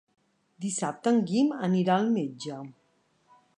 Dissabte en Guim anirà al metge.